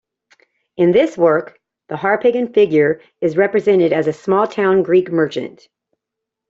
In this work, the Harpagon figure is represented as a small town Greek merchant.